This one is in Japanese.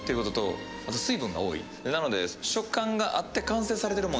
なので。